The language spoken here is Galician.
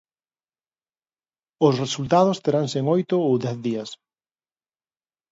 Os resultados teranse en oito ou dez días.